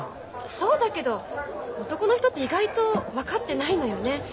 そうだけど男の人って意外と分かってないのよね。